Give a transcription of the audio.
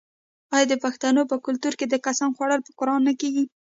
آیا د پښتنو په کلتور کې د قسم خوړل په قران نه کیږي؟